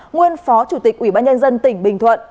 nguyên phó chủ tịch ubnd tỉnh bình thuận